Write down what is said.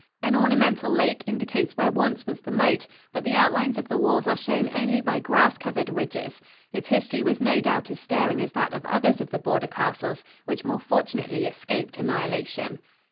An ornamental lake indicates where once was the moat, but the outlines of the walls are shown only by grass covered ridges. Its history was no doubt as stirring as that of others of the border castles, which more fortunately escaped annihilation.